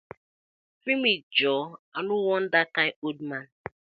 Free me joor, I no wan dat kind old man.